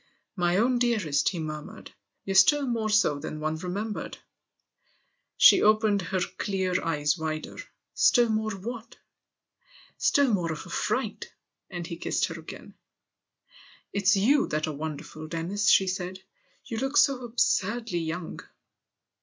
" My own dearest," he murmured, " you're still more so than one remem bered!" She opened her clear eyes wider. "Still more what ?"" Still more of a fright !" And he kissed her again. " It's you that are wonderful, Dennis," she said ;" you look so absurdly young."